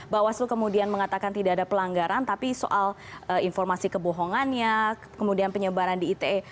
bawaslu kemudian mengatakan tidak ada pelanggaran tapi soal informasi kebohongannya kemudian penyebaran di ite